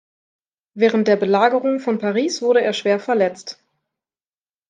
Während der Belagerung von Paris wurde er schwer verletzt.